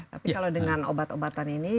tapi kalau dengan obat obatan ini